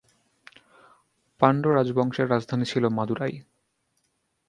পাণ্ড্য রাজবংশের রাজধানী ছিল মাদুরাই।